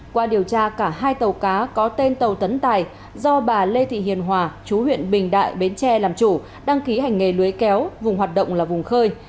qua điều tra cả hai tàu cá có tên tàu tấn tài do bà lê thị hiền hòa chú huyện bình đại bến tre làm chủ đăng ký hành nghề lưới kéo vùng hoạt động là vùng khơi